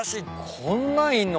こんなんいんの？